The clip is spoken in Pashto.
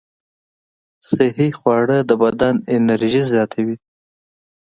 صحي خواړه د بدن انرژي زیاتوي.